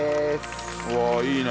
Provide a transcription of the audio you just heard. うわっいいね！